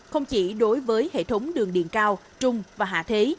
không chỉ đối với hệ thống đường điện cao trung và hạ thế